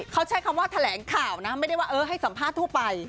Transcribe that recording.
เขาใช้คำว่าแถลงข่าวนะไม่ได้ว่าเออให้สัมภาษณ์ทั่วไป